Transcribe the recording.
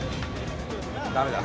ダメだ。